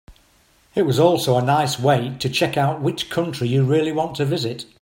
It was also a nice way to check out which country you really want to visit.